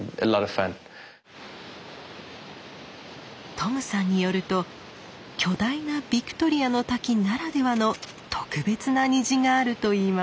トムさんによると巨大なビクトリアの滝ならではの特別な虹があるといいます。